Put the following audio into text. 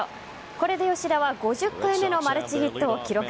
これで吉田は５０回目のマルチヒットを記録。